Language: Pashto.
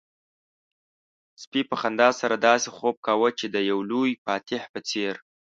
سپي په خندا سره داسې خوب کاوه چې د يو لوی فاتح په څېر.